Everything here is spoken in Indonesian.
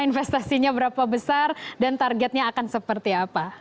investasinya berapa besar dan targetnya akan seperti apa